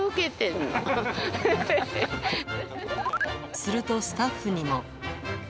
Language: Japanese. するとスタッフにも。